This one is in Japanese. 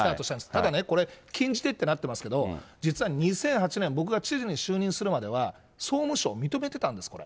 ただね、これ、禁じ手ってなってますけど、実は２００８年、僕が知事に就任するまでは総務省、認めてたんです、これ。